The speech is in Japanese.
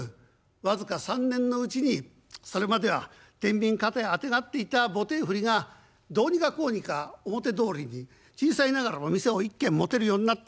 僅か３年のうちにそれまでは天秤肩へあてがっていた棒手振がどうにかこうにか表通りに小さいながらも店を一軒持てるようになった。